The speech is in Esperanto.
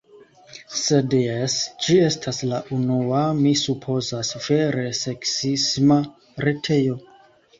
Sed jes, ĝi estas la unua, mi supozas, vere seksisma retejo.